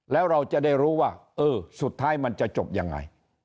แล้วเราจะได้รู้ว่าเออสุดท้ายมันจะจบยังไง